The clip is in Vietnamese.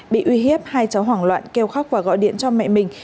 bị uy hiếp hai cháu hoảng loạn kêu khóc và gọi điện cho mẹ mình